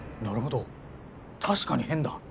なるほど確かに変だ。